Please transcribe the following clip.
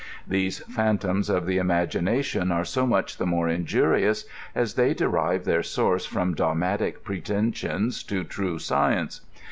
These phantoms of the imagination are so much the more injurious as they derive their source firom dogmatic protensions to true science.